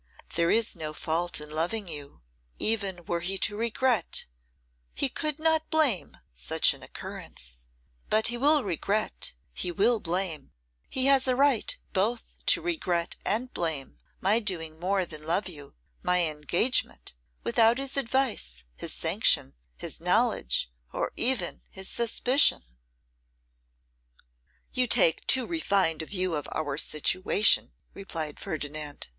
There is no fault in loving you. Even were he to regret, he could not blame such an occurrence: but he will regret, he will blame, he has a right both to regret and blame, my doing more than love you my engagement without his advice, his sanction, his knowledge, or even his suspicion!' 'You take too refined a view of our situation,' replied Ferdinand.